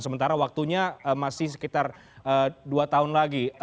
sementara waktunya masih sekitar dua tahun lagi